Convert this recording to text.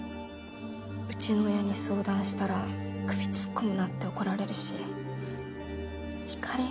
うちの親に相談したら首突っ込むなって怒られるしひかり